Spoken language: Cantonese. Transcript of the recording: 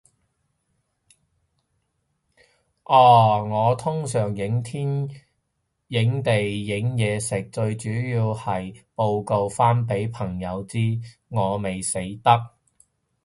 哦，我通常影天影地影嘢食，最主要係報告返畀朋友知，我未死得